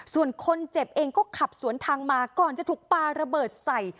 ส่วนคนเจ็บเองก็ขับสวนทางมาก่อนจะถูกปลาระเบิดใส่